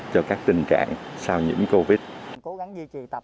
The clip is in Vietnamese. cho các tình trạng sau những covid